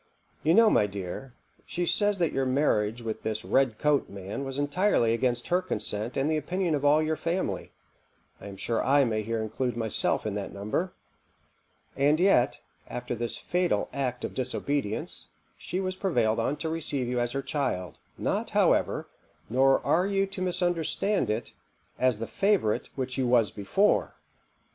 You know, my dear, she says that your marriage with this red coat man was entirely against her consent and the opinion of all your family (I am sure I may here include myself in that number); and yet, after this fatal act of disobedience, she was prevailed on to receive you as her child; not, however, nor are you so to understand it, as the favourite which you was before.